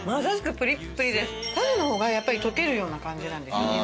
タラの方がやっぱり溶けるような感じなんです身が。